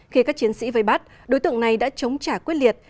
khi các chiến sĩ vây bắt đối tượng này đã chống trả quyết liệt